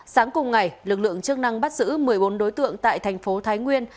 sáng cùng ngày lực lượng chức năng bắt giữ một mươi bốn đối tượng tại thành phố thái nguyên